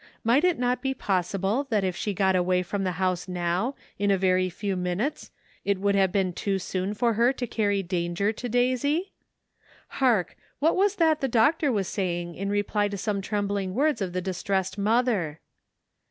Might it not be possi ble that if she got away from the house now, in a very few minutes, it would have been too soon for her to carry danger to Daisy? Hark! what was that the doctor was saying in reply to some trembling words of the distressed mother?